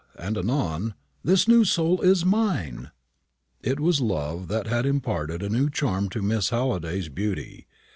and anon: "This new soul is mine!" It was love that had imparted a new charm to Miss Halliday's beauty.